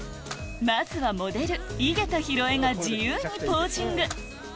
まずはモデル井桁弘恵が自由にポージング